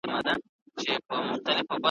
زما زلمي کلونه انتظار انتظار وخوړل ,